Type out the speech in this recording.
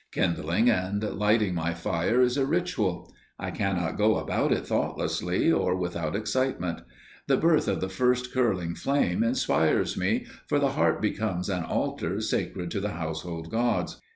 Kindling and lighting my fire is a ritual. I cannot go about it thoughtlessly or without excitement. The birth of the first curling flame inspires me, for the heart becomes an altar sacred to the household gods.